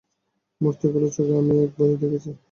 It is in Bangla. মূর্তিগুলোর চোখে আমি এক ভয় দেখেছি।